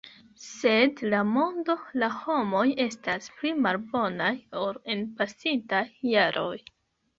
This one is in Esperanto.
Sed la mondo, la homoj estas pli malbonaj ol en pasintaj jaroj.